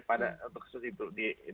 pada untuk kasus itu